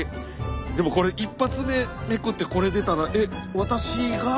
でもこれ１発目めくってこれ出たら「えっ私が？」って思っちゃう。